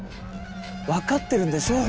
分かってるんでしょう？